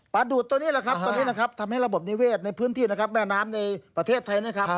ปลาดูดตรงนี้นะครับทำให้ระบบนิเวศในพื้นที่แม่น้ำในประเทศไทย